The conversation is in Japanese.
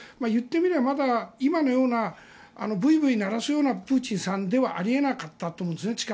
言ってみればまだ今のようなブイブイ鳴らすようなプーチンさんではあり得なかったと思うんですね。